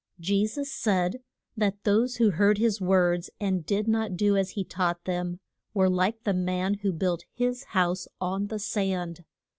Je sus said that those who heard his words and did not do as he taught them, were like the man who built his house on the sand.